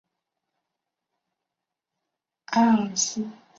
埃尔斯特河畔克罗森是德国图林根州的一个市镇。